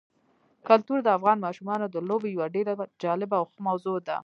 کلتور د افغان ماشومانو د لوبو یوه ډېره جالبه او ښه موضوع ده.